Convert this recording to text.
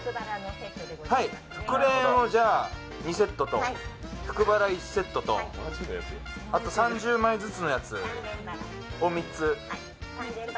これを２セットと複バラ１セットとあと３０枚ずつのやつを３つ。